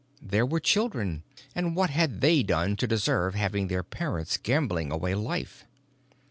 There were children and what had they done to deserve having their parents gambling away life?